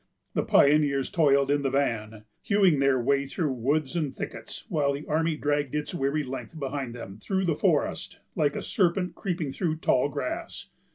The pioneers toiled in the van, hewing their way through woods and thickets; while the army dragged its weary length behind them through the forest, like a serpent creeping through tall grass.